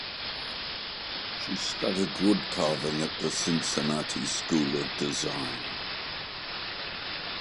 She studied wood carving at the Cincinnati School of Design.